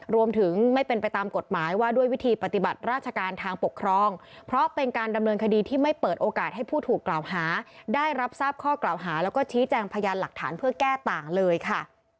รวมถึงไม่เป็นไปตามกฎหมายว่าด้วยวิธีปฏิบัติราชการทางปกครองเพราะเป็นการดำเนินคดีที่ไม่เปิดโอกาสให้ผู้ถูกกล่าวหาได้รับทราบข้อกล่าวหาแล้วก็ชี้แจงพยานหลักฐานเพื่อแก้ต่างเลยค่ะ